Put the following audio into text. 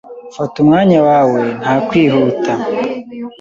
Fata umwanya wawe. Nta kwihuta.